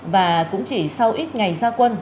và cũng chỉ sau ít ngày ra quân